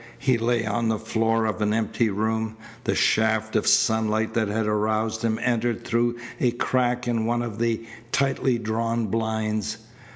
He lay on the floor of an empty room. The shaft of sunlight that had aroused him entered through a crack in one of the tightly drawn blinds.